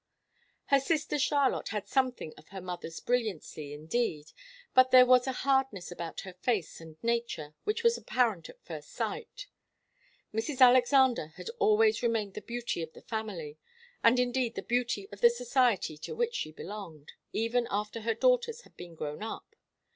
Her sister Charlotte had something of her mother's brilliancy, indeed, but there was a hardness about her face and nature which was apparent at first sight. Mrs. Alexander had always remained the beauty of the family, and indeed the beauty of the society to which she belonged, even after her daughters had been grown up.